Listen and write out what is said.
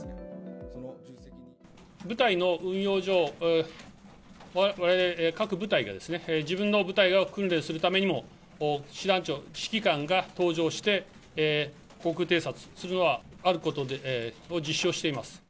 部隊の運用上、各部隊がですね、自分の部隊が訓練するためにも、師団長、指揮官が搭乗して、航空偵察するのはあることを実証しています。